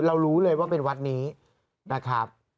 รู้เลยว่าเป็นวัดนี้นะครับ